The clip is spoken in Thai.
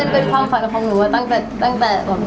เป็นความฝันของผมตั้งแต่สักพักแล้วค่ะ